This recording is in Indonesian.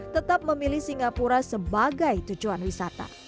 tetap memilih singapura sebagai tujuan wisata